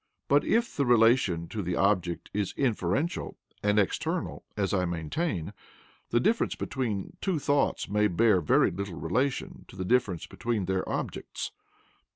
But if the relation to the object is inferential and external, as I maintain, the difference between two thoughts may bear very little relation to the difference between their objects.